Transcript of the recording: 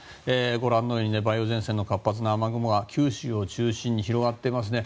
梅雨前線の活発な雨雲が九州を中心に広がっていますね。